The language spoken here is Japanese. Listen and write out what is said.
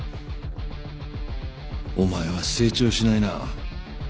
お前は成長しないな。